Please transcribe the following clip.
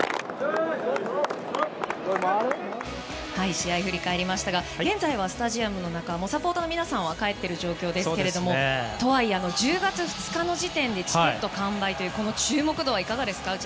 試合を振り返りましたが現在、スタジアムの中はサポーターの皆さんは帰っている状況ですがとはいえ１０月２日の時点でチケット完売というこの注目度はいかがですか？